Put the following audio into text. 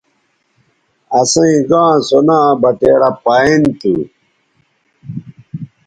اَسئیں گاں سو ناں بٹیڑہ پائیں تھو۔